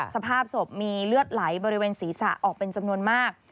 สภาพศพมีเลือดไหลบริเวณศีรษะออกเป็นจำนวนมาก